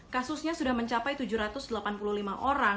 kasusnya sudah mencapai tujuh ratus delapan puluh lima orang